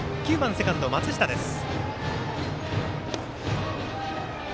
セカンド松下です。